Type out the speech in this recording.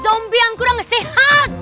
zombie yang kurang sehat